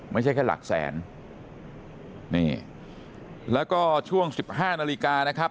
ไม่ใช่แค่หลักแสนนี่แล้วก็ช่วงสิบห้านาฬิกานะครับ